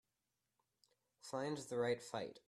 Find The Right Fight